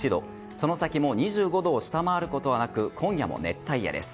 その先も２５度を下回ることはなく今夜も熱帯夜です。